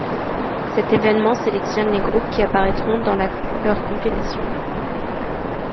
Cet événement sélectionne les groupes qui apparaitront dan leur compilation.